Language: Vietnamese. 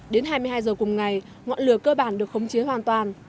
đến hai mươi hai h cùng ngày ngọn lửa cơ bản được khống chế hoàn toàn